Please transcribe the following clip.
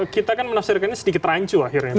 kita kan menafsirkannya sedikit rancu akhirnya